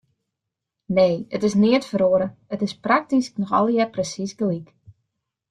Nee, it is neat feroare, it is praktysk noch allegear presiis gelyk.